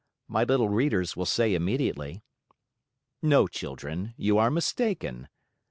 my little readers will say immediately. No, children, you are mistaken.